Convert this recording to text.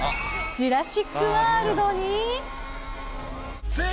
ジュラシック・ワールドに。